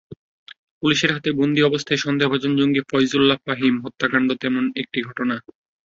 পুলিশের হাতে বন্দী অবস্থায় সন্দেহভাজন জঙ্গি ফয়জুল্লাহ ফাহিম হত্যাকাণ্ড তেমনি একটি ঘটনা।